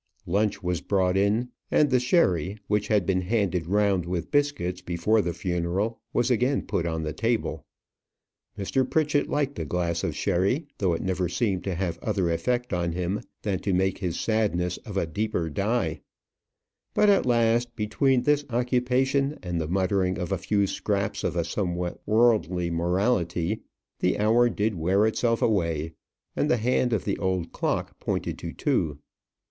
Lunch was brought in; and the sherry, which had been handed round with biscuits before the funeral, was again put on the table. Mr. Pritchett liked a glass of sherry, though it never seemed to have other effect on him than to make his sadness of a deeper dye. But at last, between this occupation and the muttering of a few scraps of a somewhat worldly morality, the hour did wear itself away, and the hand of the old clock pointed to two.